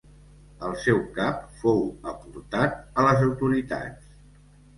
El seu cap fou aportat a les autoritats.